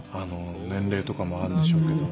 年齢とかもあるんでしょうけど。